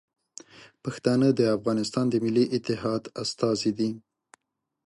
پښتانه د افغانستان د ملي اتحاد استازي دي.